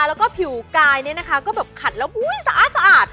แล้วก็ผิวกายเนี่ยนะคะก็แบบขัดแล้วอุ๊ยสะอาด